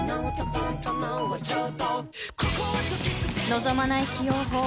［望まない起用法